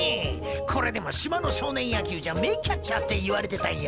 これでも島の少年野球じゃ名キャッチャーって言われてたんよ。